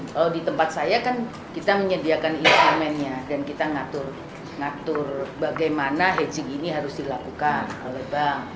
kalau di tempat saya kan kita menyediakan instrumennya dan kita ngatur bagaimana hedging ini harus dilakukan oleh bank